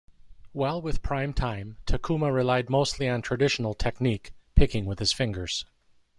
While with "Prime Time", Tacuma relied mostly on traditional technique, picking with his fingers.